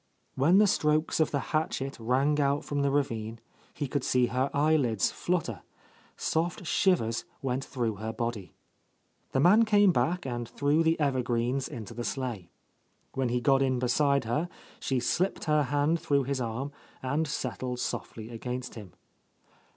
When the strokes of the hatchet rang out from the ravine, he could see her eyelids flutter ,.. soft shivers went through her body. The man came back and threw the evergreens into the sleigh. When he got in beside her, she slipped her hand through his arm and settled softly against him.